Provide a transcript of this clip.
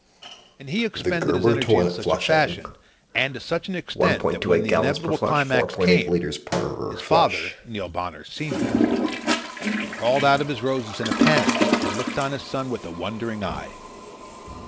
And he expended his energy in such a fashion and to such extent that when the inevitable climax came, his father, Neil Bonner, senior, crawled out of his roses in a panic and looked on his son with a wondering eye.